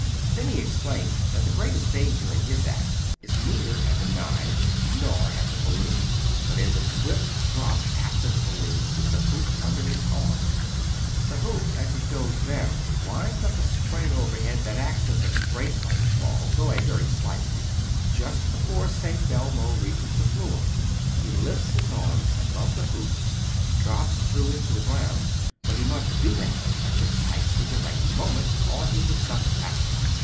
Then he explained that the greatest danger in his act is neither at the knives nor at the balloon, but in the swift drop after the balloon with the hoop under his arms. This hoop, as it goes down, winds up a spring overhead that acts as a break on the fall, though a very slight one. Just before St. Belmo reaches the floor he lifts his arms above the hoop and drops through it to the ground, but he must do that at precisely the right moment, or he will suffer accident.